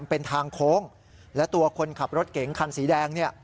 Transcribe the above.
เป็นทางโค้งและตัวคนขับรถเก๋งคันสีแดงเนี่ย